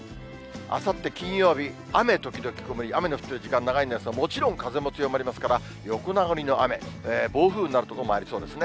あさって金曜日、雨時々曇り、雨の降る時間長いんですが、もちろん風も強まりますから、横殴りの雨、暴風になる所もありそうですね。